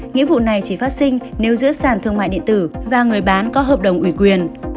nghĩa vụ này chỉ phát sinh nếu giữa sản thương mại điện tử và người bán có hợp đồng ủy quyền